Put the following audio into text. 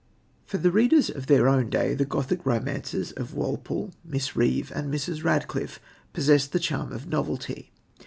For the readers of their own day the Gothic romances of Walpole, Miss Reeve and Mrs. Radcliffe possessed the charm of novelty.